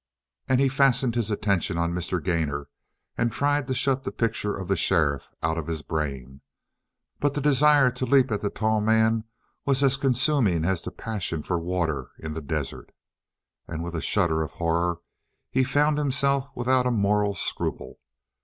And he fastened his attention on Mr. Gainor and tried to shut the picture of the sheriff out of his brain. But the desire to leap at the tall man was as consuming as the passion for water in the desert. And with a shudder of horror he found himself without a moral scruple.